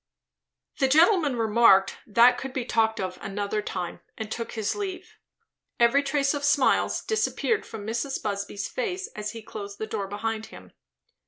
The gentleman remarked, that could be talked of another time; and took his leave. Every trace of smiles disappeared from Mrs. Busby's face as he closed the door behind him.